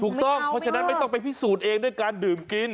ถูกต้องเพราะฉะนั้นไม่ต้องไปพิสูจน์เองด้วยการดื่มกิน